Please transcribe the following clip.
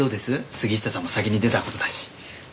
杉下さんも先に出た事だし。